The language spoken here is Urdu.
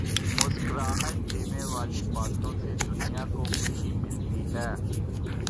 مسکراہٹ دینے والی باتوں سے دنیا کو خوشی ملتی ہے۔